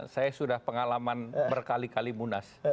saya sudah pengalaman berkali kali munas